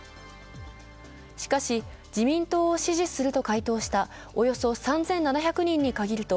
しかし、自民党を支持すると回答したおよそ３７００人に限ると、